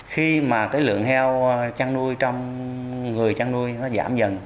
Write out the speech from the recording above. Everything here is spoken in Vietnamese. khi mà cái lượng heo chăn nuôi trong người chăn nuôi nó giảm dần